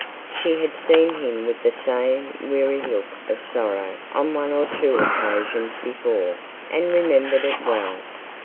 She had seen him with the same weary look of sorrow on one or two occasions before, and remembered it well.